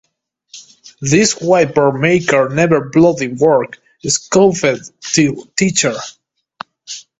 "These whiteboard markers never bloody work", Scoffed the teacher.